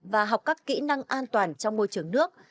và học các kỹ năng an toàn trong môi trường nước